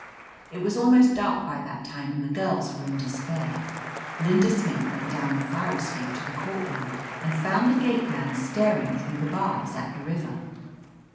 "It was almost dark by that time, and the girls were in despair. Linda Smith went down the fire escape to the courtyard, and found the gate man staring through the bars at the river.